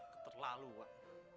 kepet lalu wak